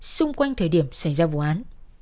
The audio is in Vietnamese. xung quanh thời điểm xảy ra vụ án